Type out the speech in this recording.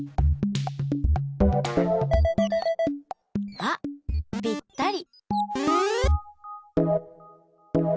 あっぴったり！